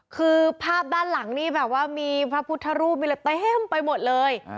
คือภาพด้านหลังนี่แบบว่ามีพระพุทธรูปมีอะไรเต็มไปหมดเลย